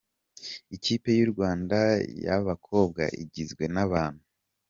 Ikipe y’u Rwanda y’abakobwa igizwe n’abantu.